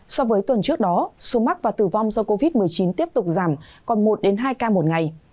so với tuần trước đó số mắc và tử vong do covid một mươi chín tiếp tục giảm còn một hai ca một ngày